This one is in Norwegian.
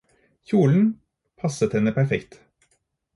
Kjolen passet henne perfekt.